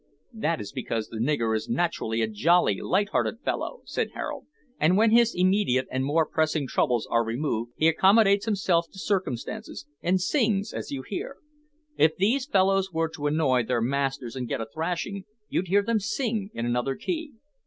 "That is because the nigger is naturally a jolly, light hearted fellow," said Harold, "and when his immediate and more pressing troubles are removed he accommodates himself to circumstances, and sings, as you hear. If these fellows were to annoy their masters and get a thrashing, you'd hear them sing in another key.